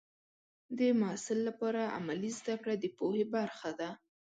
د محصل لپاره عملي زده کړه د پوهې برخه ده.